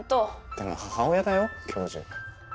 でも母親だよ教授。